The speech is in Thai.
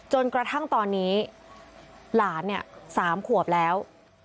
จนกระทั่งตอนนี้หลานเนี่ย๓ขวบแล้ว